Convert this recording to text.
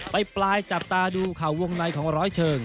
ปลายจับตาดูเข่าวงในของร้อยเชิง